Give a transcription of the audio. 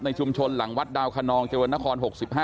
ในชุมชนหลังวัดดาวคนองจักรวรณคร๖๕